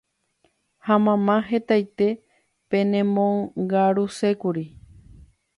ha mamá hetaite penemongarusékuri